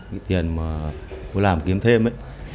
cái tiền mà cô làm kiếm thêm ấy